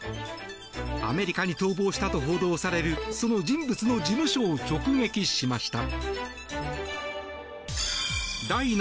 アメリカに逃亡したと報道されるその人物の事務所を直撃しました。